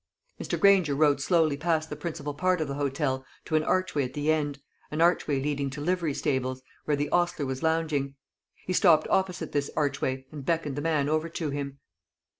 Mr. Granger rode slowly past the principal part of the hotel to an archway at the end an archway leading to livery stables, where the ostler was lounging. He stopped opposite this archway, and beckoned the man over to him.